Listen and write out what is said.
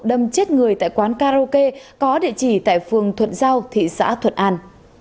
đâm chết người tại quán karaoke có địa chỉ tại phường thuận giao thị xã thuận an